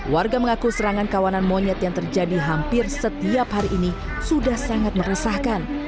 warga mengaku serangan kawanan monyet yang terjadi hampir setiap hari ini sudah sangat meresahkan